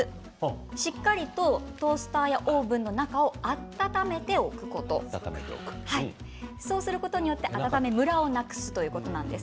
しっかりとトースターやオーブンの中を温めておくことそうすることによって温めムラをなくすということです。